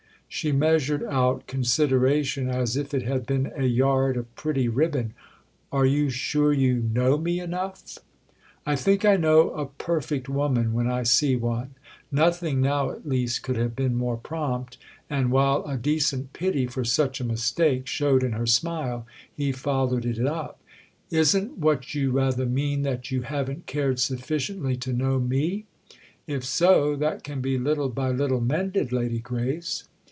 She measured out consideration as if it had been a yard of pretty ribbon. "Are you sure you know me enough?" "I think I know a perfect woman when I see one!" Nothing now at least could have been more prompt, and while a decent pity for such a mistake showed in her smile he followed it up. "Isn't what you rather mean that you haven't cared sufficiently to know me? If so, that can be little by little mended, Lady Grace."